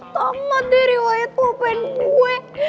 tamat deh riwayat open gue